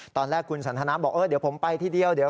ตอนแรกคุณสันทนาบอกเออเดี๋ยวผมไปทีเดียว